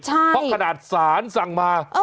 เพราะขนาดสารสั่งมา